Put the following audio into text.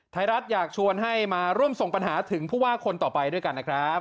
ไทยรัฐอยากชวนให้มาร่วมส่งปัญหาถึงผู้ว่าคนต่อไปด้วยกันนะครับ